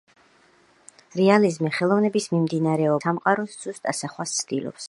Რეალიზმი ხელოვნების მიმდინსრეობაა, რომელიც რეალური სამყაროს ზუსტ ასახვას ცდილობს.